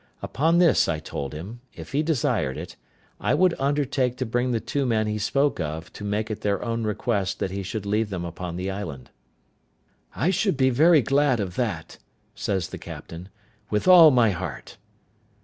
Upon this, I told him that, if he desired it, I would undertake to bring the two men he spoke of to make it their own request that he should leave them upon the island. "I should be very glad of that," says the captain, "with all my heart."